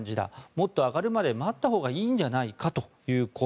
もっと上がるまで待ったほうがいいんじゃないかという声。